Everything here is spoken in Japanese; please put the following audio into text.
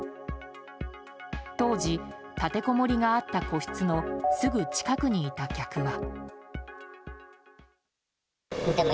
当時、立てこもりがあった個室のすぐ近くにいた客は。